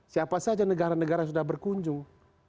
siapa saja negara negara sudah berkunjung